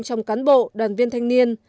trong cán bộ đoàn viên thanh niên